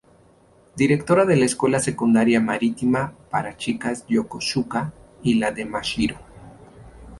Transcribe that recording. Directora de la Escuela Secundaria Marítima para Chicas Yokosuka y la de Mashiro.